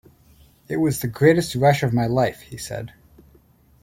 "It was the greatest rush of my life," he said.